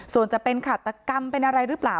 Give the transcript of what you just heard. ส่วนจะเป็นขาตกรรมเป็นอะไรหรือเปล่า